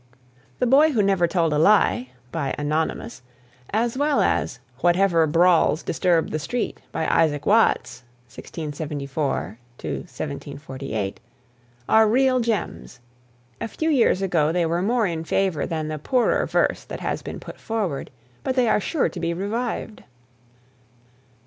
"The Boy Who Never Told a Lie" (anonymous), as well as "Whatever Brawls Disturb the Street," by Isaac Watts (1674 1748), are real gems. A few years ago they were more in favour than the poorer verse that has been put forward. But they are sure to be revived.